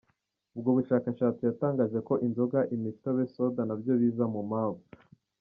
ubwo bushakashatsi yatangaje ko Inzoga, Imitobe, Soda nabyo biza mu mpamvu